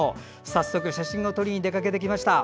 早速、写真を撮りに出かけてきました。